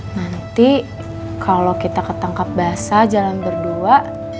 nanti kalau kita ketangkap basah jalan berdua